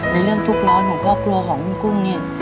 ในเรื่องทุกข์ร้อนของครอบครัวของคุณกุ้งเนี่ย